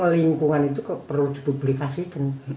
lingkungan itu perlu dipublikasikan